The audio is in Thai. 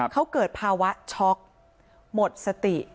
เขาเกิดภาวะช็อกหมดสติ